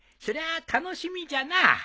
そりゃあ楽しみじゃな。